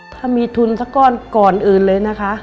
ถ้ามีทุนสักก้อนก่อนอื่นเลยนะคะ